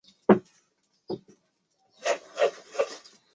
任何人不得加以酷刑,或施以残忍的、不人道的或侮辱性的待遇或刑罚。